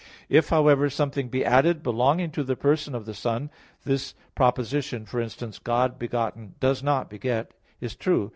If, however, something be added belonging to the person of the Son, this proposition, for instance, "God begotten does not beget," is true.